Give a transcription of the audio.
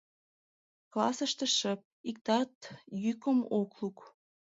Классыште шып, иктат йӱкым ок лук.